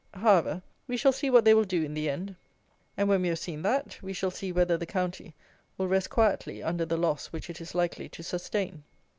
However, we shall see what they will do in the end. And when we have seen that, we shall see whether the county will rest quietly under the loss which it is likely to sustain.